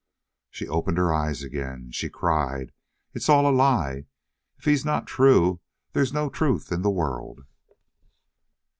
She opened her eyes again. She cried: "It is all a lie! If he is not true, there's no truth in the world."